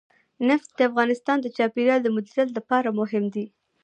نفت د افغانستان د چاپیریال د مدیریت لپاره مهم دي.